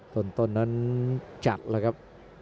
ต้นนั้นจัดแล้วครับ